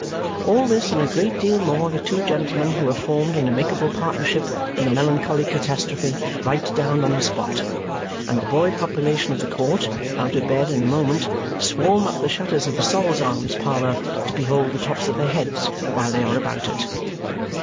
All this and a great deal more the two gentlemen who have formed an amicable partnership in the melancholy catastrophe write down on the spot; and the boy population of the court (out of bed in a moment) swarm up the shutters of the Sol's Arms parlour, to behold the tops of their heads while they are about it.